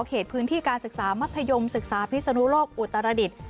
เขตพื้นที่การศึกษามัธยมศึกษาพิศนุโลกอุตรดิษฐ์